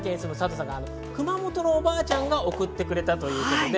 熊本のおばあちゃんが送ってくれたということです。